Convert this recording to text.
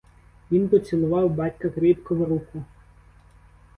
Він поцілував батька кріпко в руку.